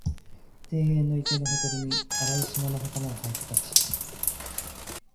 庭園の池のほとりに、荒い縞の袴をはいて立ち、